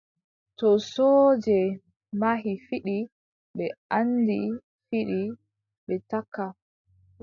To sooje mahi fiɗi, ɓe anndi fiɗi, ɓe takka.